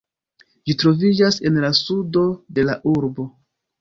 Ĝi troviĝas en la sudo de la urbo.